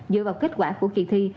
dựa vào kết quả của kỳ thi